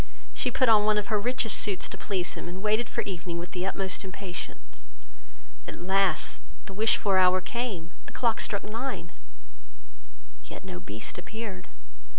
She put on one of her richest suits to please him, and waited for evening with the utmost impatience; at last the wished for hour came, the clock struck nine, yet no Beast appeared.